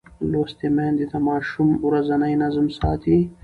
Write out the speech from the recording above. لوستې میندې د ماشوم ورځنی نظم ساتي.